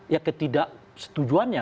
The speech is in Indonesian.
ya ketidak setujuannya